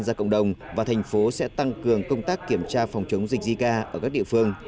ra cộng đồng và thành phố sẽ tăng cường công tác kiểm tra phòng chống dịch zika ở các địa phương